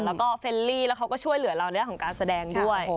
แล้วก็โชว์อันดังและเขาก็ช่วยเหลือราวในระดับของการแสดงด้วย